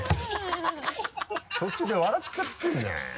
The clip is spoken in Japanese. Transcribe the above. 途中で笑っちゃってんじゃない。